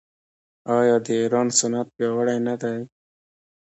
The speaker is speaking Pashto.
آیا د ایران صنعت پیاوړی نه دی؟